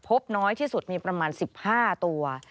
พบน้อยที่สุดมีประมาณ๑๕ตัว